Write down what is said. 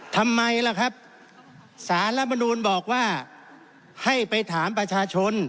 ทำไมล่ะครับสารรัฐมนูลบอกว่าให้ไปถามประชาชน